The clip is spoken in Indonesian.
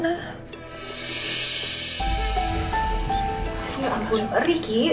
ya ampun riki